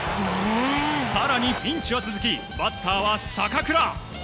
更にピンチは続きバッターは坂倉。